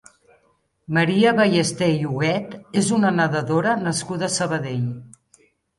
Maria Ballesté i Huguet és una nedadora nascuda a Sabadell.